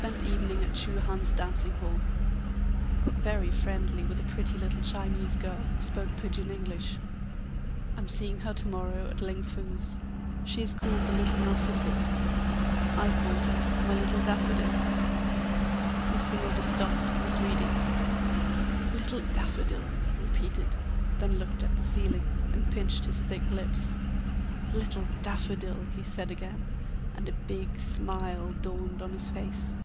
Spent evening at Chu Han's dancing hall. Got very friendly with a pretty little Chinese girl who spoke pigeon English. Am seeing her to morrow at Ling Foo's. She is called 'The Little Narcissus.' I called her 'My Little Daffodil' " Mr. Milburgh stopped in his reading. "Little Daffodil!" he repeated, then looked at the ceiling and pinched his thick lips. "Little Daffodil!" he said again, and a big smile dawned on his face.